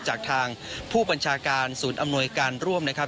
จากทางผู้บัญชาการศูนย์อำนวยการร่วมนะครับ